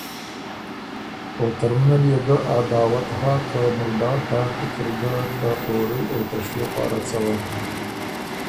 او ترمُنه ليې ګه آ دعوت هۀ که مرداړ لیکی ر ګۀ ته خوړُو او ته شیو پاره څوّن۔